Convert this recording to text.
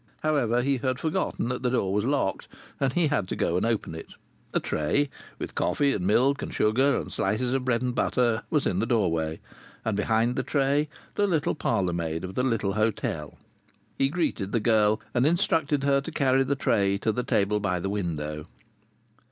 However, he had forgotten that the door was locked, and he had to go and open it. A tray with coffee and milk and sugar and slices of bread and butter was in the doorway, and behind the tray the little parlour maid of the little hotel. He greeted the girl and instructed her to carry the tray to the table by the window.